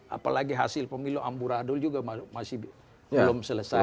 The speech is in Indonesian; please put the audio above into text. apalagi hasil pemilu amburadul juga masih belum selesai